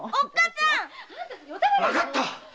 わかった！